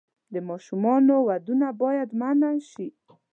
د ماشومانو ودونه باید منع شي.